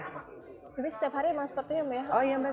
tapi setiap hari emang sepertinya mbak ya